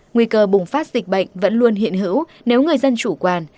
nguy cơ bùng phát dịch bệnh vẫn luôn hiện hữu nếu người dân chủ quan